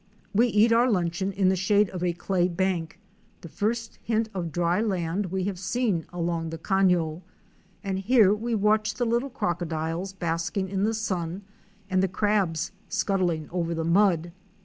We eat our luncheon in the shade of a clay bank, the first hint of dry land we have seen along the cafio, and here we watch the little crocodiles basking in the sun and the crabs scuttling over the mud.